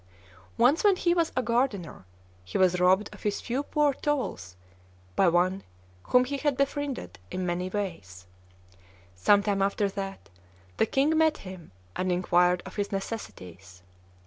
"Once, when he was a gardener, he was robbed of his few poor tools by one whom he had befriended in many ways. Some time after that, the king met him, and inquired of his necessities.